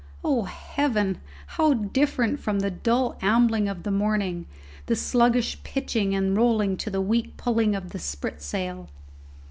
Oh, heaven! how different from the dull ambling of the morning, the sluggish pitching and rolling to the weak pulling of the spritsail!